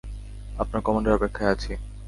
আপনার কমান্ডের অপেক্ষায় আছি।